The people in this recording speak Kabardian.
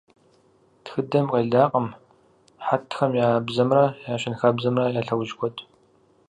Тхыдэм къелакъым хьэтхэм я бзэмрэ я щэнхабзэмрэ я лъэужь куэд.